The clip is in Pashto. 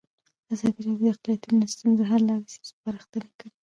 ازادي راډیو د اقلیتونه د ستونزو حل لارې سپارښتنې کړي.